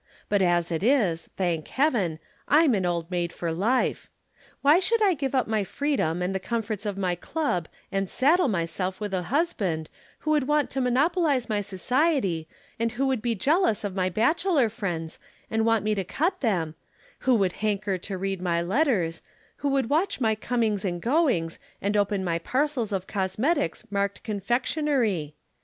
But as it is, thank Heaven, I'm an Old Maid for life. Why should I give up my freedom and the comforts of my club and saddle myself with a husband who would want to monopolize my society and who would be jealous of my bachelor friends and want me to cut them, who would hanker to read my letters, who would watch my comings and goings, and open my parcels of cosmetics marked confectionery?